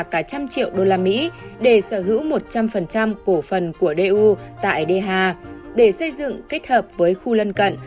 cả một trăm linh triệu usd để sở hữu một trăm linh cổ phần của daewoo tại dh để xây dựng kết hợp với khu lân cận